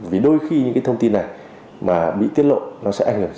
vì đôi khi những cái thông tin này mà bị tiết lộ nó sẽ ảnh hưởng